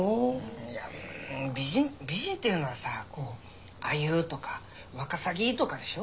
いや美人美人っていうのはさアユとかワカサギとかでしょ？